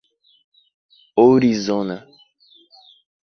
Ourizona